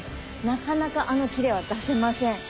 なかなかあのキレは出せません。